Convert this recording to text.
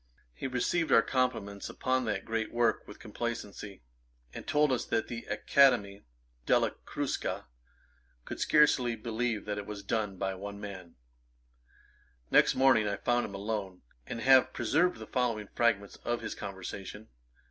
He received our compliments upon that great work with complacency, and told us that the Academy della Crusca could scarcely believe that it was done by one man. [Page 444: Sceptical innovators. A.D. 1763.] Next morning I found him alone, and have preserved the following fragments of his conversation.